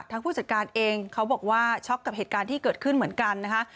ผู้จัดการเองเขาบอกว่าช็อกกับเหตุการณ์ที่เกิดขึ้นเหมือนกันนะคะ